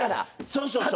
そうそうそう。